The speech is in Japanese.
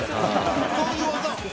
どういう技を？